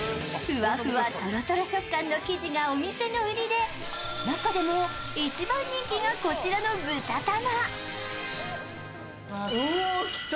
ふわふわとろとろ食感の生地がお店の売りで中でも１番人気がこちらの豚玉。